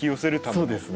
そうですね。